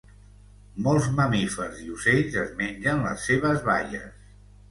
Molts mamífers i ocells es mengen les seves baies.